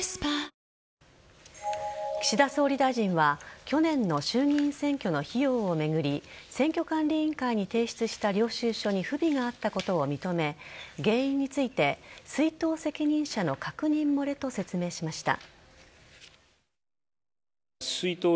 岸田総理大臣は去年の衆議院選挙の費用を巡り選挙管理委員会に提出した領収書に不備があったことを認め原因について出納責任者の確認漏れと説明しました。